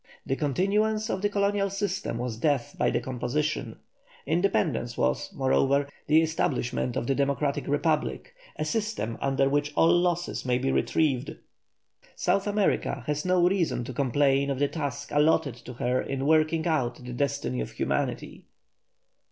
The continuance of the colonial system was death by decomposition. Independence was, moreover, the establishment of the democratic republic, a system under which all losses may be retrieved. South America has no reason to complain of the task allotted to her in working out the destiny of humanity.